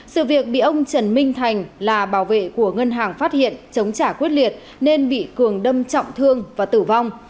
sự việc bị ông trần minh thành là bảo vệ của ngân hàng phát hiện chống trả quyết liệt nên bị cường đâm trọng thương và tử vong